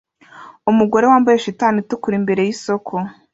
Umugore wambaye shitani itukura imbere yisoko